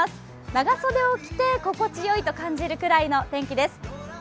長袖を着て心地よいと感じるくらいの天気です。